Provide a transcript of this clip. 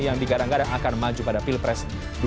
yang digarang garang akan maju pada pilpres dua ribu dua puluh empat